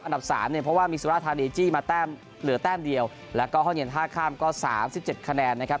สามเนี่ยเพราะว่ามีสุราธานีจี้มาแต้มเหลือแต้มเดียวแล้วก็ห้องเย็นท่าข้ามก็๓๗คะแนนนะครับ